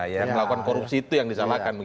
yang melakukan korupsi itu yang disalahkan